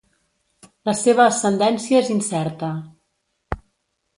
La seva ascendència és incerta.